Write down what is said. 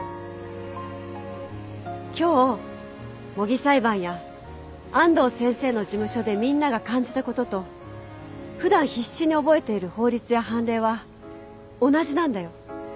今日模擬裁判や安藤先生の事務所でみんなが感じたことと普段必死に覚えている法律や判例は同じなんだよ。